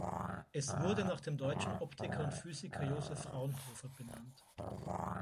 Es wurde nach dem deutschen Optiker und Physiker Joseph Fraunhofer benannt.